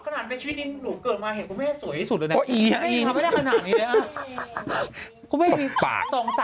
ขนาดในชีวิตนี้หนูเกิดมาเห็นคุณแม่สวยที่สุดเลยแน่คุณแม่ทำให้ได้ขนาดนี้เลยน่ะ